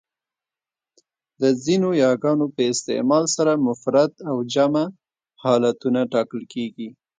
د ځینو یاګانو په استعمال سره مفرد و جمع حالتونه ټاکل کېږي.